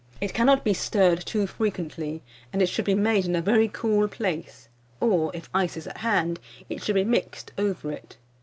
It cannot be stirred too frequently, and it should be made in a very cool place, or, if ice is at hand, it should be mixed over it.